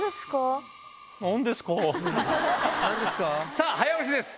さぁ早押しです。